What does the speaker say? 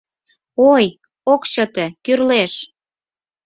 — Ой, ок чыте, кӱрлеш!